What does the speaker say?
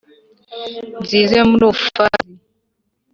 Nziza yo muri ufazi